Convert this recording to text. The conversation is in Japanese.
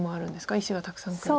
石がたくさんくると。